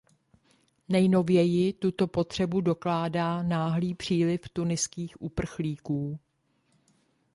Nejnověji tuto potřebu dokládá náhlý příliv tuniských uprchlíků.